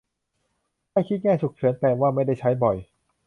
ถ้าคิดแง่ "ฉุกเฉิน" แปลว่าไม่ได้ใช้บ่อย